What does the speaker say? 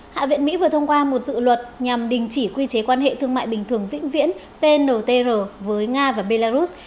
hạ viện mỹ vừa thông qua một dự luật nhằm đình chỉ quy chế quan hệ thương mại bình thường vĩnh viễn pr với nga và belarus